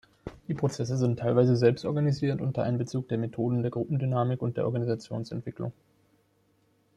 Die Prozesse sind teilweise selbstorganisiert unter Einbezug der Methoden der Gruppendynamik und der Organisationsentwicklung.